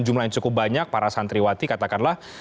jumlah yang cukup banyak para santriwati katakanlah